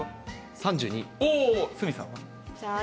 鷲見さん。